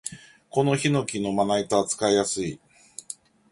このヒノキのまな板は使いやすい